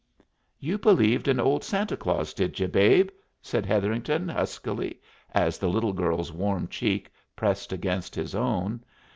"You believed in old Santa Claus, did you, babe?" said Hetherington, huskily, as the little girl's warm cheek pressed against his own.